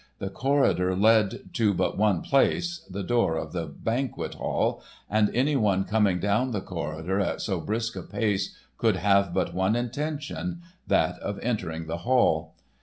The corridor led to but one place, the door of the Banquet Hall, and any one coming down the corridor at so brisk a pace could have but one intention—that of entering the hall.